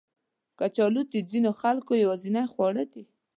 کچالو د ځینو خلکو یوازینی خواړه دي